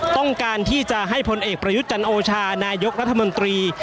ต้องการที่จะให้พลเอกประยุทธ์จันโอชานายกรัฐมนตรี